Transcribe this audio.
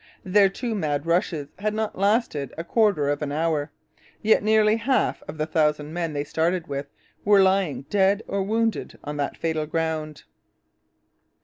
Their two mad rushes had not lasted a quarter of an hour. Yet nearly half of the thousand men they started with were lying dead or wounded on that fatal ground.